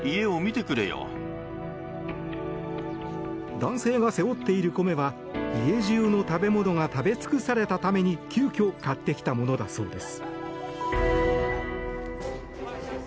男性が背負っている米は家中の食べ物が食べ尽くされたために急遽買ってきたものだそうです。